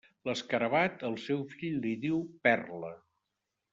L'escarabat, al seu fill li diu perla.